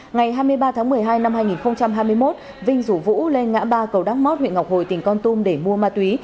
ngày hai mươi ba tháng một mươi hai năm hai nghìn hai mươi một vinh rủ vũ lên ngã ba cầu đắk mót huyện ngọc hồi tỉnh con tum để mua ma túy